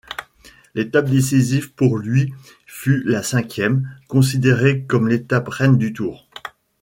L'étape décisive pour lui fut la cinquième, considérée comme l'étape reine du Tour.